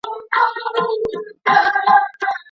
د مالکي فقهاوو په نزد ئې طلاق واقع کيږي.